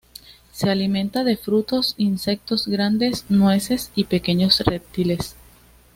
Se alimenta de frutos, insectos grandes, nueces y pequeños reptiles.